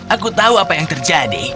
aku tahu apa yang terjadi